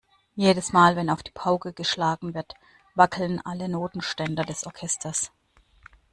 Jedes Mal, wenn auf die Pauke geschlagen wird, wackeln alle Notenständer des Orchesters.